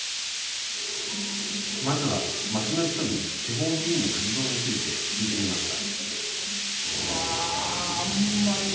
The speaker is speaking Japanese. まずは、街の人に地方議員の活動について聞いてみました。